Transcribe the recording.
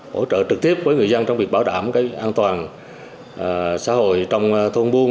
hỗ trợ trực tiếp với người dân trong việc bảo đảm an toàn xã hội trong thôn buôn